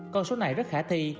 con số này rất khả thi